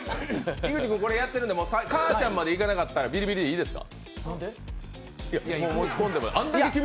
井口君、もうやってるので、かあちゃんまで行かなかったらビリビリでいいですか？